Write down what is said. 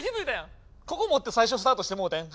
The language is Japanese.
ここもってさいしょスタートしてもうてん。